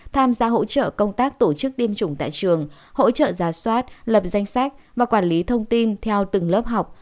tham gia hỗ trợ công tác tổ chức tiêm chủng tại trường hỗ trợ giả soát lập danh sách và quản lý thông tin theo từng lớp học